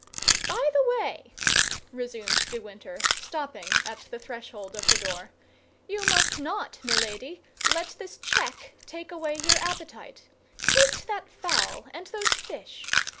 "By the way," resumed de Winter, stopping at the threshold of the door, "you must not, Milady, let this check take away your appetite. Taste that fowl and those fish.